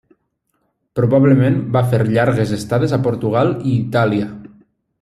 Probablement va fer llargues estades a Portugal i Itàlia.